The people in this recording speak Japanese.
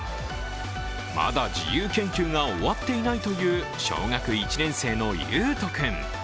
まだ自由研究が終わっていないという小学１年生の優斗君。